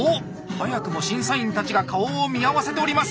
早くも審査員たちが顔を見合わせております。